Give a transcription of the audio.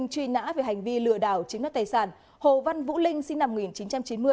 truy nã về hành vi lừa đảo chiếm đất tài sản hồ văn vũ linh sinh năm một nghìn chín trăm chín mươi